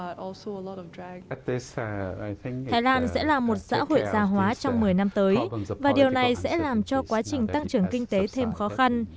thái lan sẽ là một xã hội gia hóa trong một mươi năm tới và điều này sẽ làm cho quá trình tăng trưởng kinh tế thêm khó khăn